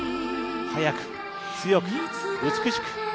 速く、強く、美しく。